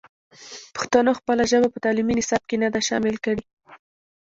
پښتنو خپله ژبه په تعلیمي نصاب کې نه ده شامل کړې.